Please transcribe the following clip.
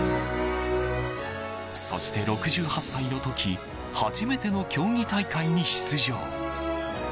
そして、６８歳の時初めての競技大会に出場。